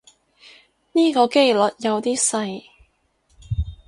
呢個機率有啲細